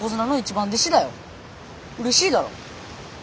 うれしいだろ。